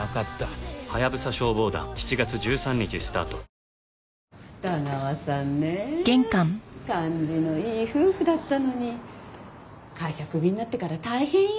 新しくなった二川さんねえ感じのいい夫婦だったのに会社クビになってから大変よ。